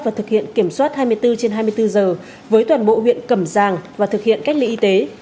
và thực hiện kiểm soát hai mươi bốn trên hai mươi bốn giờ với toàn bộ huyện cầm giàng và thực hiện cách ly y tế